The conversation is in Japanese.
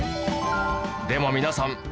でも皆さん